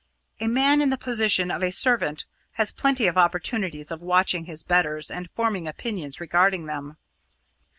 A man in the position of a servant has plenty of opportunity of watching his betters and forming opinions regarding them.